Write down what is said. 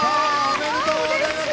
ありがとうございます。